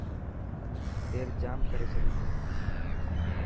دير ڄام ڪري ڇڏي تين.